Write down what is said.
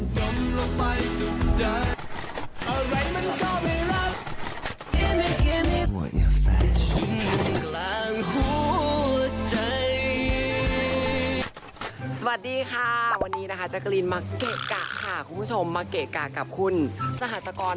สวัสดีค่ะวันนี้นะคะแจ๊กรีนมาเกะกะค่ะคุณผู้ชมมาเกะกะกับคุณสหัสกร